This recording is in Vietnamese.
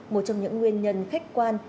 một trong những nguyên nhân khách quan